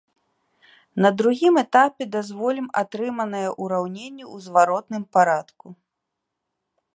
На другім этапе дазволім атрыманыя ўраўненні ў зваротным парадку.